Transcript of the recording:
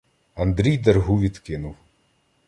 Андрій дергу відкинув.